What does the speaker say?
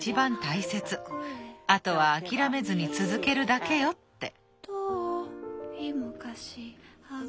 あとは諦めずに続けるだけよ」って。